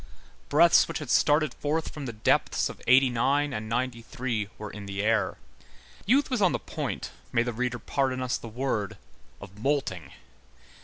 Breaths which had started forth from the depths of '89 and '93 were in the air. Youth was on the point, may the reader pardon us the word, of moulting.